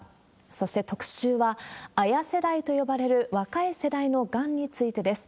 そして特集は、ＡＹＡ世代と呼ばれる若い世代のがんについてです。